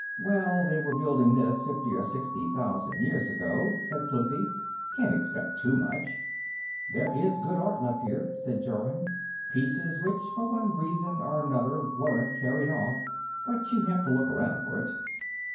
"Well, they were building this fifty or sixty thousand years ago," said Cluthe. "Can't expect too much." "There is good art left here," said Jorun. "Pieces which for one reason or another weren't carried off. But you have to look around for it."